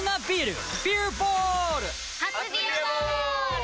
初「ビアボール」！